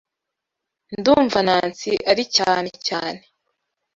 Ndumva Nancy ari cyane cyane.